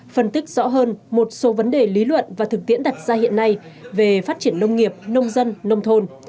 phân tích rõ hơn một số vấn đề lý luận và thực tiễn đặt ra hiện nay về phát triển nông nghiệp nông dân nông thôn